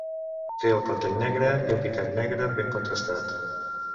Té el clatell negre i un pitet negre ben contrastat.